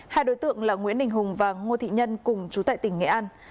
hai đối tượng là nguyễn đình hùng và ngô thị nhân cùng chú tại tỉnh nghệ an